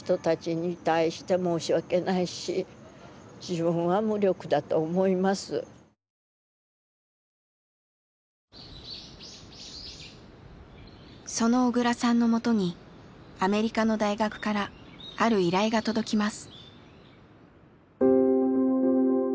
そんな中にあってほんとにその小倉さんのもとにアメリカの大学からある依頼が届きます。